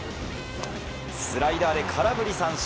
スライダーで空振り三振。